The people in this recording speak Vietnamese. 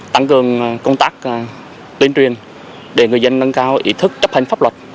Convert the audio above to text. tăng cường công tác tuyên truyền để người dân nâng cao ý thức chấp hành pháp luật